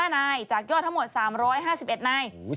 ๓๒๕นายจักรย่อทั้งหมด๓๕๑นาย